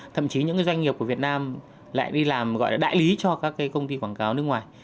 thậm chí những doanh nghiệp của việt nam lại đi làm gọi là đại lý cho các cái công ty quảng cáo nước ngoài